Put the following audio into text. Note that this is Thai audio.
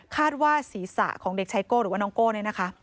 ว่าศีรษะของเด็กชายโก้หรือว่าน้องโก้เนี่ยนะคะ